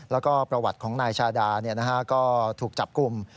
แล้วก็ประวัติของนายชาดาก็ถูกจับกลุ่ม